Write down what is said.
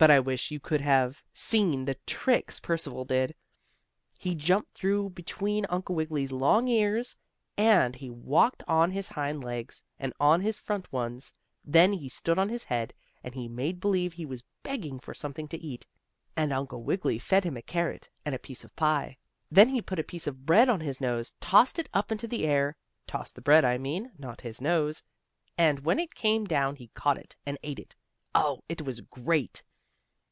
But I wish you could have seen the tricks Percival did. He jumped through between Uncle Wiggily's long ears, and he walked on his hind legs, and on his front ones. Then he stood on his head, and he made believe he was begging for something to eat, and Uncle Wiggily fed him a carrot, and a piece of pie. Then he put a piece of bread on his nose, tossed it up into the air tossed the bread, I mean, not his nose and when it came down he caught it and ate it. Oh, it was great!